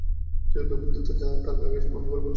নবীন দ্রুত তার গা ঘেঁষে প্রণাম করে বললে, সাবধানে কথা কবেন।